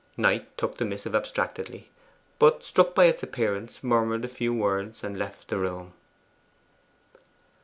Knight took the missive abstractedly, but struck by its appearance murmured a few words and left the room.